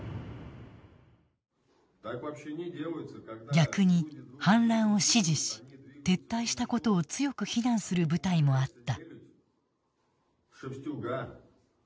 逆に、反乱を支持し撤退したことを強く非難する部隊もあった。